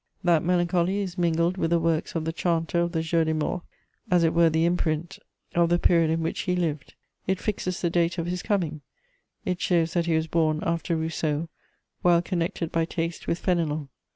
That melancholy is mingled with the works of the chanter of the Jours des Morts, as it were the imprint of the period in which he lived: it fixes the date of his coming; it shows that he was born after Rousseau, while connected by taste with Fénelon.